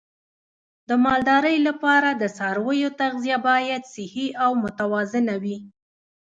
د مالدارۍ لپاره د څارویو تغذیه باید صحي او متوازنه وي.